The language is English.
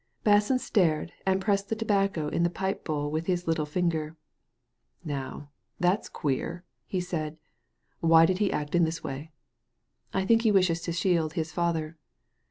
Basson stared, and pressed the tobacco in the pipe bowl with his little finger. Now, that's queer," he said. " Why does he act in this way ?"" I think he wishes to shield his father."